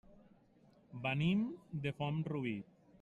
Venim de Font-rubí.